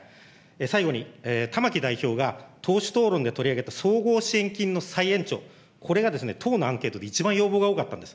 最後に、玉木代表が、党首討論で取り上げた、総合支援金の再延長、これが党のアンケートで一番、要望が多かったんです。